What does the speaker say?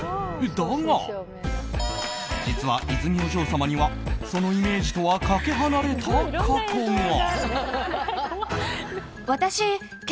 だが、泉お嬢様にはそのイメージとはかけ離れた過去が。